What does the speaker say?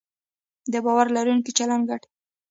د باور لرونکي چلند ګټې